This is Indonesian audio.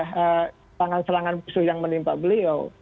selang selangan yang menimpa beliau